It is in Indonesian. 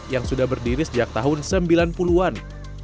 yang sudah berdiri sejak tahun sembilan puluh an